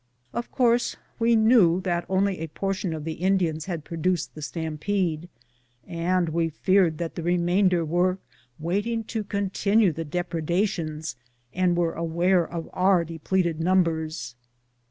Of course we knew that only a portion of the Indians had produced the stampede, and we feared that the remainder were waiting to continue the depredations, and were aware of our depleted numbers.